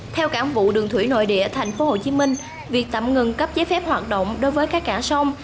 theo cảng vụ đường thủy nội địa tp hcm việc tạm ngừng cấp giấy phép hoạt động đối với các cảng sông